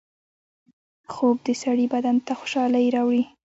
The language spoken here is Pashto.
خوب د سړي بدن ته خوشحالۍ راوړي